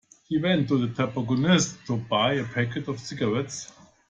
He went to the tobacconists to buy a packet of cigarettes